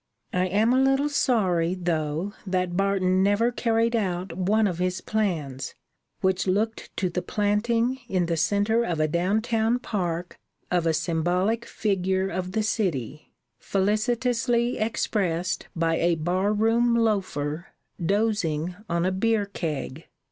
I am a little sorry, though, that Barton never carried out one of his plans, which looked to the planting in the centre of a down town park of a symbolic figure of the city, felicitously expressed by a bar room loafer dozing on a beer keg.